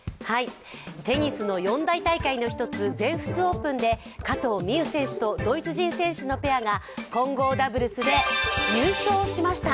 テニスの四大大会の一つ全仏オープンで加藤未唯選手とドイツ人選手のペアが混合ダブルスで優勝しました。